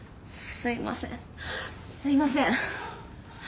すいません！